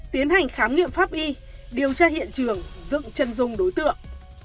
tiến hành khám nghiệm pháp y điều tra hiện trường dựng chân dung đối tượng